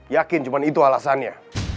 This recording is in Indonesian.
yakin cuman itu alasannya